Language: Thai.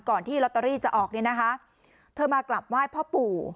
ที่ลอตเตอรี่จะออกเนี่ยนะคะเธอมากลับไหว้พ่อปู่